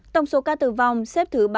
tổng số ca tử vong xếp thứ ba mươi bốn